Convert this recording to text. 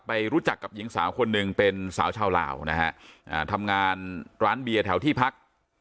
ไปรู้จักกับหญิงสาวคนหนึ่งเป็นสาวชาวลาวนะฮะทำงานร้านเบียร์แถวที่พัก